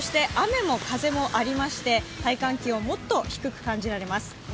そして、雨も風もありまして体感気温、もっと低く感じられます。